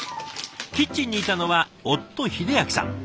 キッチンにいたのは夫英明さん。